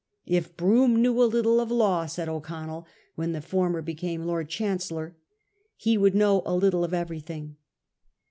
' If Brougham knew a little of law,' said O'Connell when the former became Lord Chancellor, ' he would know a little of everything.